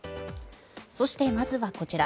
そして、まずはこちら。